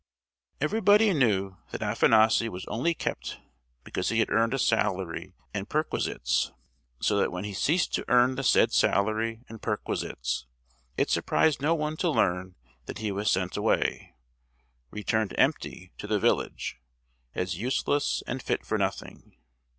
Everybody knew that Afanassy was only kept because he had earned a salary and perquisites; so that when he ceased to earn the said salary and perquisites, it surprised no one to learn that he was sent away—"returned empty" to the village, as useless and fit for nothing!